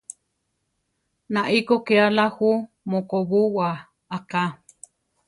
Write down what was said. Nai kó ké ala jú mokobúwa aká.